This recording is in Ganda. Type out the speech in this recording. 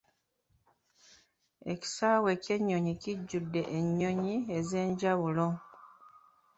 Ekisaawe ky'ennyonyi kijjudde ennyonyi ez'enjawulo.